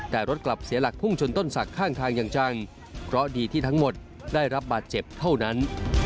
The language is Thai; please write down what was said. แต่รถกลับเสียหลักพุ่งชนต้นศักดิ์ข้างทางอย่างจังเพราะดีที่ทั้งหมดได้รับบาดเจ็บเท่านั้น